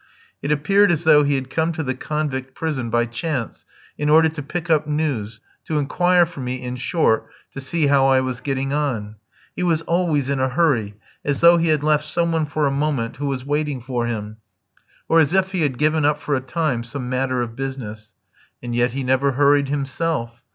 It appeared as though he had come to the convict prison by chance in order to pick up news, to inquire for me, in short, to see how I was getting on. He was always in a hurry, as though he had left some one for a moment who was waiting for him, or as if he had given up for a time some matter of business. And yet he never hurried himself.